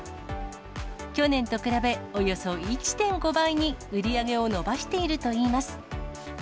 去年と比べ、およそ１．５倍に売り上げを伸ばしているといいます。